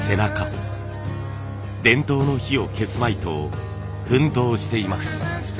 伝統の灯を消すまいと奮闘しています。